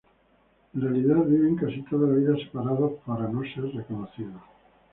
En realidad viven casi toda la vida separados para no ser reconocidos.